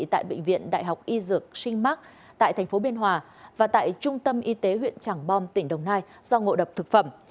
tại bệnh viện đại học y dược sinh mark tại thành phố biên hòa và tại trung tâm y tế huyện trảng bom tỉnh đồng nai do ngộ độc thực phẩm